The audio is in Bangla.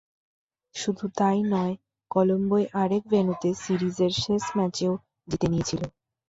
শুধু তা-ই নয়, কলম্বোর আরেক ভেন্যুতে সিরিজে শেষ ম্যাচও জিতে নিয়েছিল।